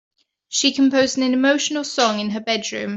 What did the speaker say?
She composed an emotional song in her bedroom.